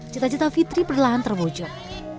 cita cita fitri perlahan terwujud